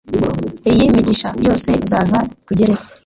iyi migisha yose izaza ikugereho: